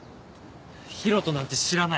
博人なんて知らない。